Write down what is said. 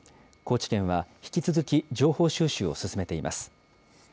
高知県は引き続き情報収集を進めています。